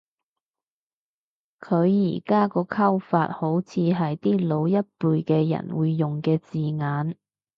佢而家個講法好似係啲老一輩嘅人會用嘅字眼